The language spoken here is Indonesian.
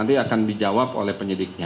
nanti akan dijawab oleh penyidiknya